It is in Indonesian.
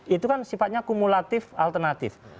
itu kan sifatnya kumulatif alternatif